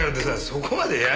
そこまでやる？